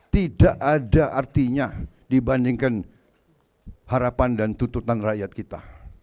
tidak ada artinya dibandingkan harapan dan tututan rakyat kita